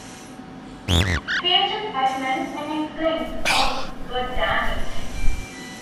Future Cartman then exclaims, Oh, goddamn it!